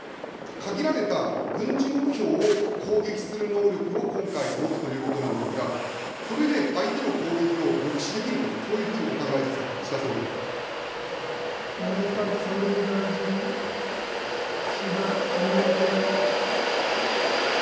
限られた軍事目標を攻撃する能力を今回、持つということなんですが、それで相手の攻撃を抑止できると、そういうふうにお考えです内閣総理大臣、岸田文雄君。